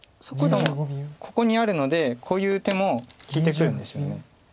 しかもここにあるのでこういう手も利いてくるんですよね。